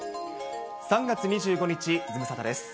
３月２５日ズムサタです。